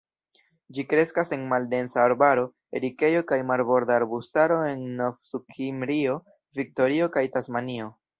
Ĝi kreskas en maldensa arbaro, erikejo kaj marborda arbustaro en Novsudkimrio, Viktorio, kaj Tasmanio.